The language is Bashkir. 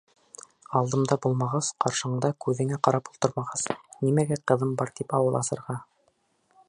— Алдымда булмағас, ҡаршыңда күҙеңә ҡарап ултырмағас, нимәгә ҡыҙым бар тип ауыҙ асырға...